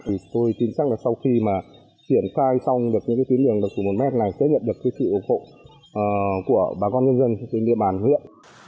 thì tôi tin rằng là sau khi mà triển khai xong được những cái tiến đường đặc thù một m này sẽ nhận được cái sự ủng hộ của bà con nhân dân trên địa bàn huyện